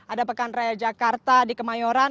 ada pekan raya jakarta di kemayoran